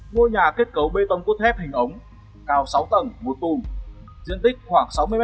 ngôi nhà kết cấu bê tông cốt thép hình ống cao sáu tầng một tùm diện tích khoảng sáu mươi m hai